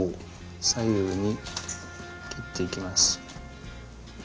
左右に切っていきます。